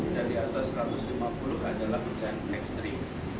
jadi atas satu ratus lima puluh adalah hujan ekstrim